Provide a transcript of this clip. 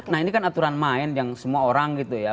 nah ini kan aturan main yang semua orang gitu ya